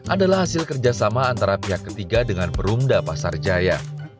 adalah hasil kerjasama antara pihak ketiga dengan perumda pasar jaya